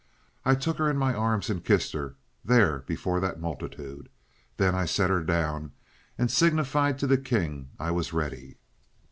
I took her in my arms and kissed her, there before that multitude. Then I set her down, and signified to the king I was ready.